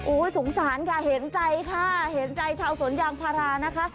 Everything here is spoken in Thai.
โอ้โหสงสารค่ะเห็นใจค่ะเห็นใจชาวสวนยางพารานะคะ